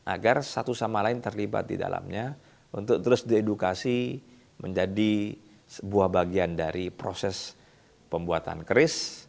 agar satu sama lain terlibat di dalamnya untuk terus diedukasi menjadi sebuah bagian dari proses pembuatan keris